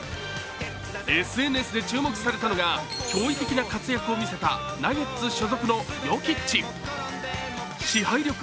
ＳＮＳで注目されたのが驚異的な活躍を見せたナゲッツ所属のヨキッチ。